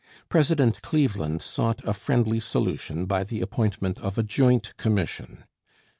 President Cleveland sought a friendly solution by the appointment of a joint commission.